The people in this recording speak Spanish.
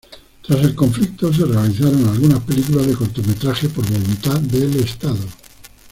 Tras el conflicto se realizaron algunas películas de cortometraje por voluntad del Estado.